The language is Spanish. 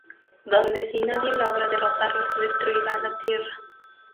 Donde si nadie logra derrotarlo, destruirá la Tierra.